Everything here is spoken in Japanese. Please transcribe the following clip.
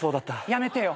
やめてよ。